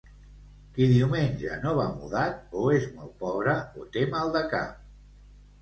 Qui diumenge no va mudat, o és molt pobre o té mal de cap.